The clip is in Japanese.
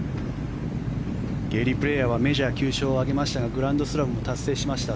ゲーリー・プレーヤーはメジャー９勝を挙げましたがグランドスラムも達成しました。